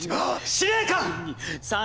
司令官！